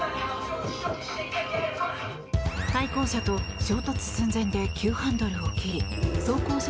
対向車と衝突寸前で急ハンドルを切り走行